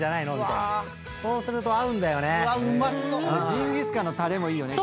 ジンギスカンのたれもいいよね。